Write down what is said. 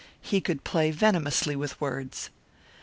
He could play venomously with words.